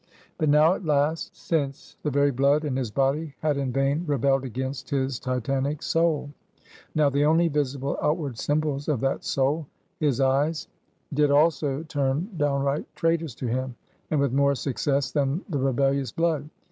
But now at last since the very blood in his body had in vain rebelled against his Titanic soul; now the only visible outward symbols of that soul his eyes did also turn downright traitors to him, and with more success than the rebellious blood.